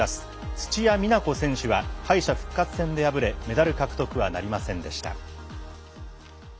土屋美奈子選手は敗者復活戦で敗れメダル獲得はなりませんでした。